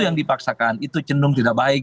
yang dipaksakan itu cenderung tidak baik